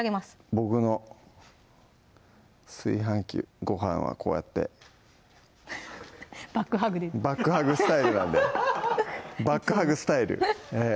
僕の炊飯器ご飯はこうやってバックハグでいくバックハグスタイルなんでバックハグスタイルええ